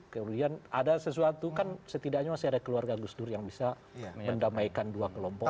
kemudian ada sesuatu kan setidaknya masih ada keluarga gus dur yang bisa mendamaikan dua kelompok